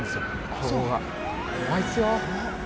カゴが怖いっすよ